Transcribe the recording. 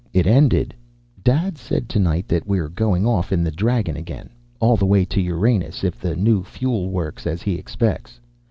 It ended: "Dad said to night that we're going off in the Dragon again. All the way to Uranus, if the new fuel works as he expects.